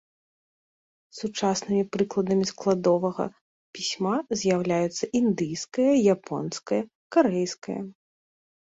Сучаснымі прыкладамі складовага пісьма з'яўляюцца індыйскае, японскае, карэйскае.